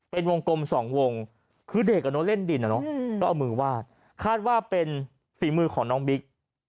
เป็นวงกลมสองวงคือเด็กเล่นดินก็เอามือวาดคาดว่าเป็นฝีมือของน้องบิ๊ก